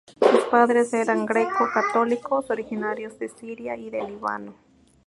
Sus padres eran greco-católicos originarios de Siria y de Líbano.